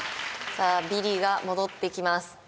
さあビリが戻ってきます